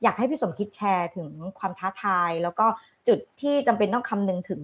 พี่สมคิดแชร์ถึงความท้าทายแล้วก็จุดที่จำเป็นต้องคำนึงถึง